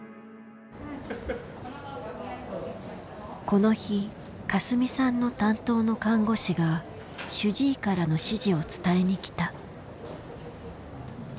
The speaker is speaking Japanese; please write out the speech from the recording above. この日かすみさんの担当の看護師が主治医からの指示を伝えに来た。